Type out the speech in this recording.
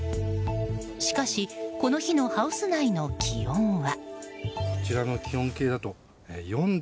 しかし、この日のハウス内の気温は？